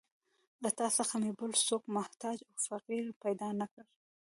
له تا څخه مې بل څوک محتاج او فقیر پیدا نه کړ.